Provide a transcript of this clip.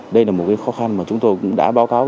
đây là một khó khăn mà chúng tôi cũng đã báo cáo